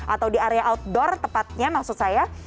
atau di area outdoor tepatnya maksud saya